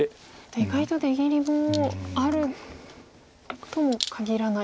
意外と出切りもあるともかぎらない。